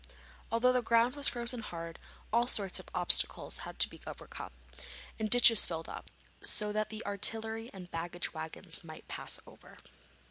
Although the ground was frozen hard, all sorts of obstacles had to be overcome, and ditches filled up, so that the artillery and baggage waggons might pass over.